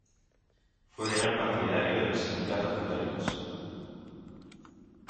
Fue gran partidario de los sindicatos católicos.